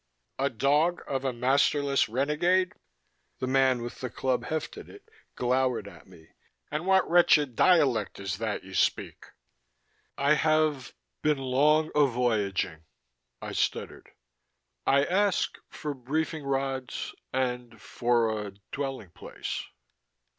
"A dog of a masterless renegade?" The man with the club hefted it, glowered at me. "And what wretched dialect is that you speak?" "I have ... been long a voyaging," I stuttered. "I ask ... for briefing rods ... and for a ... dwelling place."